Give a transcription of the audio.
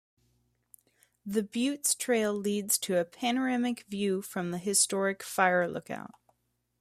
The butte's trail leads to a panoramic view from the historic fire lookout.